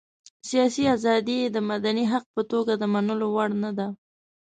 سياسي ازادي یې د مدني حق په توګه د منلو وړ نه ده.